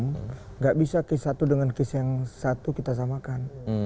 enggak bisa kes satu dengan kes yang satu kita samakan